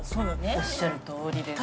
おっしゃるとおりです。